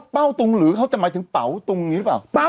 เป้าตุงหรือเขาจะมาถึงเปาตุงนี่หรือเปล่า